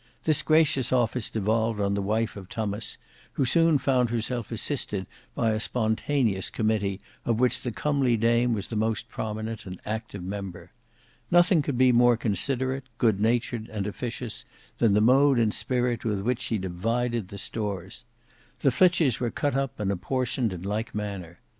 This gracious office devolved on the wife of Tummas who soon found herself assisted by a spontaneous committee of which the comely dame was the most prominent and active member. Nothing could be more considerate, good natured, and officious, than the mode and spirit with which she divided the stores. The flitches were cut up and apportioned in like manner.